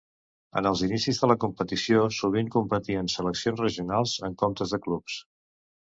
En els inicis de la competició sovint competien seleccions regionals, en comptes de clubs.